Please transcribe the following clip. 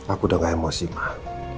aku udah gak emosi mah